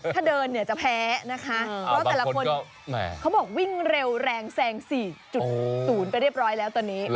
ถ้าเดินเนี่ยจะแพ้นะคะเพราะแต่ละคนเขาบอกวิ่งเร็วแรงแซง๔๐ไปเรียบร้อยแล้วตอนนี้